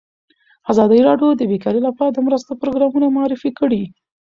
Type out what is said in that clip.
ازادي راډیو د بیکاري لپاره د مرستو پروګرامونه معرفي کړي.